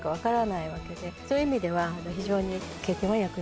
そういう意味では非常に。